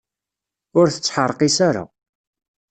Ur tettḥerqis ara.